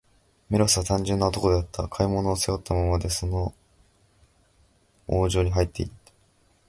メロスは、単純な男であった。買い物を、背負ったままで、のそのそ王城にはいって行った。